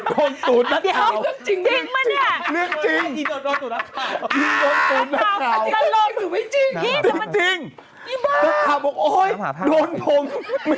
โดนตูดนักข่าว